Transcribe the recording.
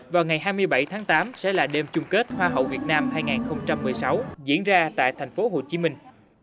vào ngày hai mươi bảy tháng tám sẽ là đêm chung kết hoa hậu việt nam hai nghìn một mươi sáu diễn ra tại thành phố hồ chí minh